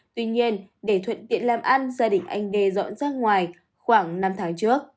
tuy nhiên để thuận tiện làm ăn gia đình anh đê dọn ra ngoài khoảng năm tháng trước